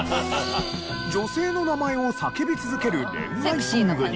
女性の名前を叫び続ける恋愛ソングに。